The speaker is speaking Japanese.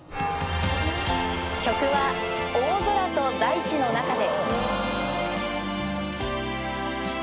曲は、大空と大地の中で。